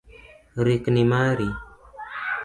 Rikni mari.